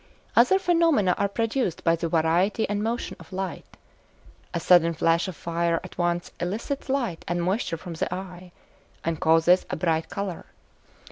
Other phenomena are produced by the variety and motion of light. A sudden flash of fire at once elicits light and moisture from the eye, and causes a bright colour.